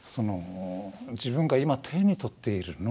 自分が今手に取っている脳